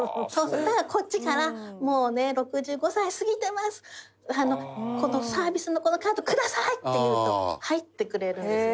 だからこっちからもうね「６５歳過ぎてます」「サービスのカードください」って言うと「はい」ってくれるんですね。